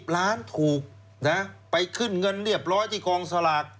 ล้านถูกนะไปขึ้นเงินเรียบร้อยที่กองสลาก